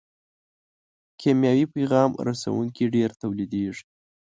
کیمیاوي پیغام رسوونکي ډېر تولیدیږي.